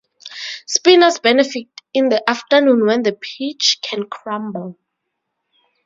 Spinners benefit in the afternoon when the pitch can crumble.